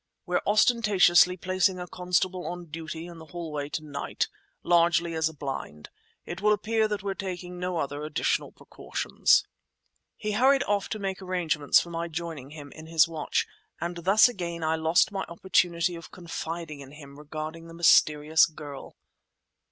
We're ostentatiously placing a constable on duty in the hallway to night—largely as a blind. It will appear that we're taking no other additional precautions." He hurried off to make arrangements for my joining him in his watch, and thus again I lost my opportunity of confiding in him regarding the mysterious girl.